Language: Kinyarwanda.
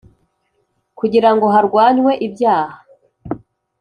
Kugira ngo harwanywe ibyaha